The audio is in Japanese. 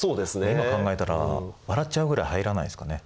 今考えたら笑っちゃうぐらい入らないですかね。